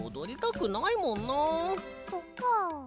そっかあ。